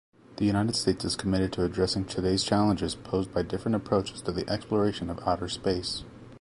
The United States is committed to addressing today’s challenges posed by different approaches to the exploration of outer space.